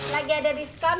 lagi ada diskon